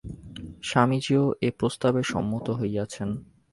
স্বামীজীও এ প্রস্তাবে সম্মত হইয়াছেন।